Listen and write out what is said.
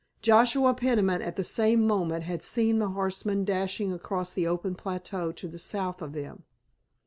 Joshua Peniman at the same moment had seen the horsemen dashing across the open plateau to the south of them.